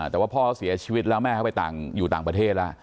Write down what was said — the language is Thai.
แต่ว่าพ่อเขาเสียชีวิตแล้วแม่เขาไปอยู่ต่างประเทศแล้ว